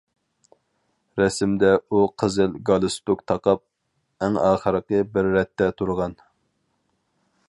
رەسىمدە ئۇ قىزىل گالىستۇك تاقاپ، ئەڭ ئاخىرقى بىر رەتتە تۇرغان.